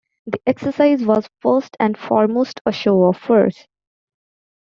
The exercise was first and foremost a show of force.